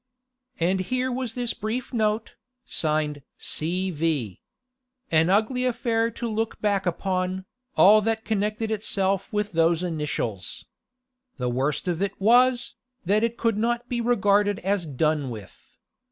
And here was this brief note, signed 'C. V.' An ugly affair to look back upon, all that connected itself with those initials. The worst of it was, that it could not be regarded as done with.